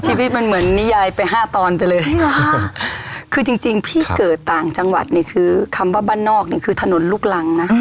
ชีวิตมันเหมือนนิยายไปห้าตอนไปเลยคือจริงจริงพี่เกิดต่างจังหวัดนี่คือคำว่าบ้านนอกนี่คือถนนลูกรังนะ